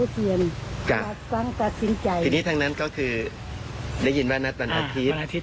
ทีนี้ทางนั้นก็คือได้ยินว่านัดวันอาทิตย์